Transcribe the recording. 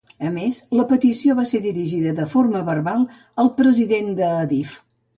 A més, la petició va ser dirigida de forma verbal al president d'Adif.